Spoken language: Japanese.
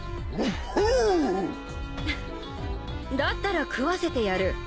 フッだったら食わせてやる。